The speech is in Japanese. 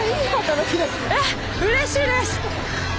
うれしいです！